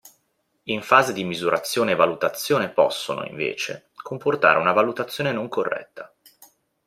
In fase di misurazione e valutazione possono, invece, comportare una valutazione non corretta.